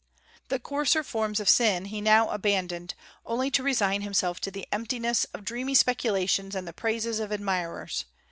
The coarser forms of sin he now abandoned, only to resign himself to the emptiness of dreamy speculations and the praises of admirers.